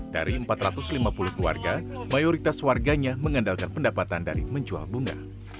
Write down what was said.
dari empat ratus lima puluh keluarga mayoritas warganya mengandalkan pendapatan dari menjual bunga